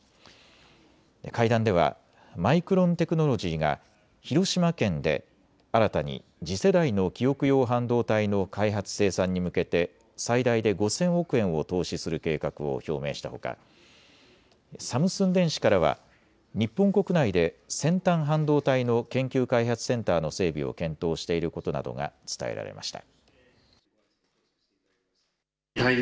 会談ではマイクロン・テクノロジーが広島県で新たに次世代の記憶用半導体の開発・生産に向けて最大で５０００億円を投資する計画を表明したほかサムスン電子からは日本国内で先端半導体の研究開発センターの整備を検討していることなどが伝えられました。